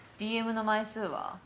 ＤＭの枚数は？